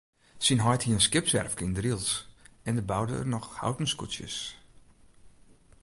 Syn heit hie in skipswerfke yn Drylts en dêr boude er noch houten skûtsjes.